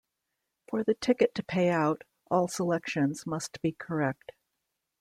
For the ticket to pay out, all selections must be correct.